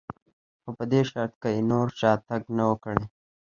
خو په دې شرط که یې نور شاتګ نه و کړی.